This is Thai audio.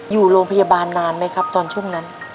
อยู่โรงพยาบาลนานไหมครับตอนช่วงนั้น